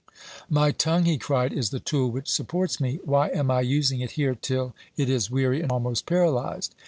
"My tongue," he cried, "is the tool which supports me. Why am I using it here till it is weary and almost paralyzed?